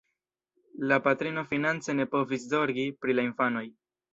La patrino finance ne povis zorgi pri la infanoj.